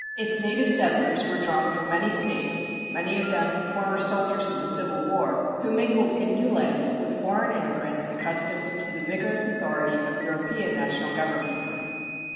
Its native settlers were drawn from many States, many of them former soldiers of the Civil War, who mingled in new lands with foreign immigrants accustomed to the vigorous authority of European national governments.